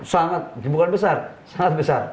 sangat bukan besar sangat besar